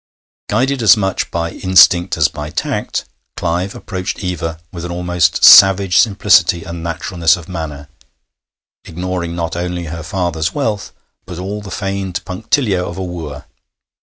Guided as much by instinct as by tact, Clive approached Eva with an almost savage simplicity and naturalness of manner, ignoring not only her father's wealth, but all the feigned punctilio of a wooer.